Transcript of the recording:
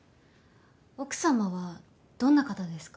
奥様はどんな方ですか？